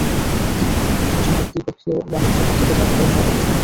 তাই বাংলাদেশের জন্য দ্বিপক্ষীয় বাণিজ্য চুক্তিতে জায়গা করে নেওয়াটা কঠিন হবে।